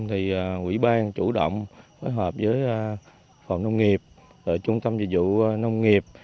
thì quỹ ban chủ động phối hợp với phòng nông nghiệp trung tâm dịch vụ nông nghiệp